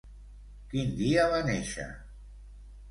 Quin dia va néixer?